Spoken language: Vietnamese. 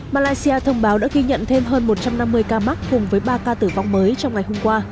malaysia thông báo đã ghi nhận thêm hơn một trăm năm mươi ca mắc cùng với ba ca tử vong mới trong ngày hôm qua